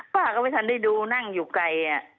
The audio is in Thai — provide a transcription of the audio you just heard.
ป้าก็ไม่ทันได้ดูนั่งอยู่ไกล